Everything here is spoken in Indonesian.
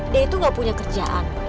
dia itu gak punya kerjaan